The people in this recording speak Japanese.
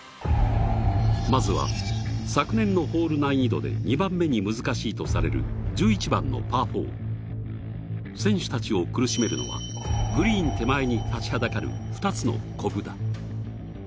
まずは昨年のホール難易度で２番目に難しいとされる１１番のパー４、選手たちを苦しめるのは、グリーン手前に立ちはだかる２つのこぶだ。